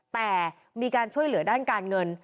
แต่มีการช่วยเหลือด้านการเงิน